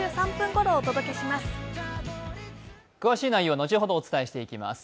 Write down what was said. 詳しい内容は後ほどお伝えしてまいります。